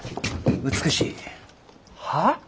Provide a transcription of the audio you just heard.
美しい。はあ？